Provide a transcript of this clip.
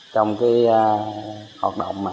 trong cái hoạt động mà